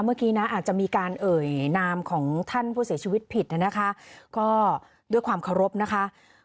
เมื่อกี้นะอาจจะมีการเอ่ยนามของท่านผู้เสียชีวิตผิดนะคะก็ด้วยความเคารพนะคะ